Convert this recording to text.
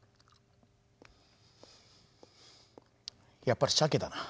やっぱりしゃけだな。